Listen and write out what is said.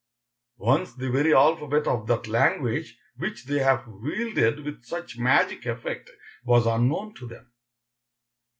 Once the very alphabet of that language which they have wielded with such magic effect was unknown to them.